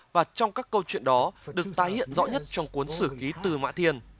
và trong các câu chuyện đó được tái hiện rõ nhất trong cuốn sử ký từ mã thiên